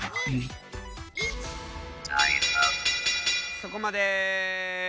そこまで。